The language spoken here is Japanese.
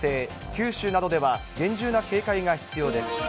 九州などでは厳重な警戒が必要です。